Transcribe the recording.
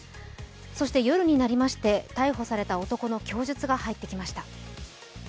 そして夜になりまして逮捕された男の供述が入ってきました。